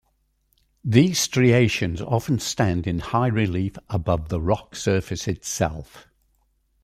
These striations often stand in high relief above the rock surface itself.